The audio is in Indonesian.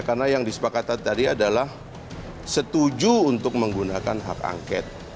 karena yang disepakatan tadi adalah setuju untuk menggunakan hak angket